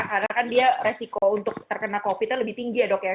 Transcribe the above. karena kan dia resiko untuk terkena covid nya lebih tinggi ya dok